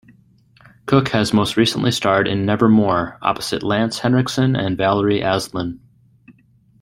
Cook has most recently starred in "Nevermore" opposite Lance Henriksen and Valerie Azlynn.